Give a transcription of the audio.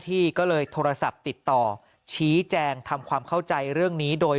ที่ก็เลยโทรศัพท์ติดต่อชี้แจงทำความเข้าใจเรื่องนี้โดย